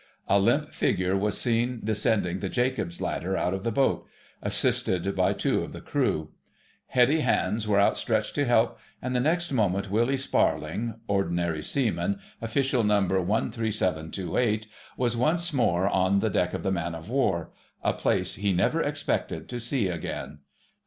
A limp figure was seen descending the Jacob's ladder out of the boat, assisted by two of the crew. Heady hands were outstretched to help, and the next moment Willie Sparling, Ordinary Seaman, Official Number 13728, was once more on the deck of a man of war—a place he never expected to see again.